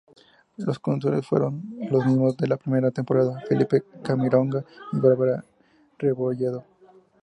Los conductores fueron los mismos de la primera temporada: Felipe Camiroaga y Bárbara Rebolledo.